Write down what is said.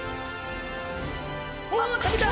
お食べた。